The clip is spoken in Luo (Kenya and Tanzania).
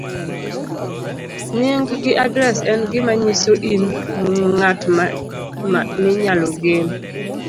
Nying' gi adres en gima nyiso i ng'at minyalo gen.